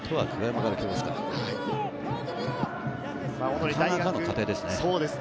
なかなかの家庭ですね。